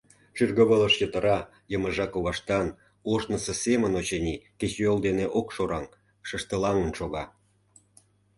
Шӱргывылыш йытыра, йымыжа коваштан, ожнысо семын, очыни, кечыйол дене ок шораҥ, шыштылаҥын шога.